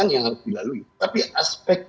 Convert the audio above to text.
yang harus dilalui tapi aspek